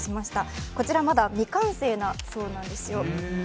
まだ未完成なそうなんですよ。